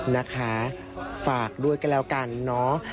นะคะฝากด้วยกันแล้วกันเนาะ